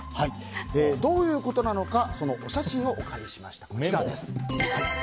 どういうことなのかそのお写真をお借りしました。